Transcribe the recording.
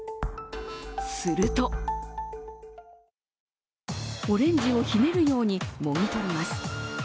するとオレンジをひねるようにもぎ取ります。